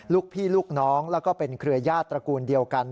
ลูกพี่ลูกน้องแล้วก็เป็นเครือญาติตระกูลเดียวกัน